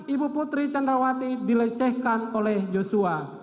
ibu putri candrawati dilecehkan oleh joshua